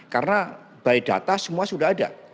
karena by data semua sudah ada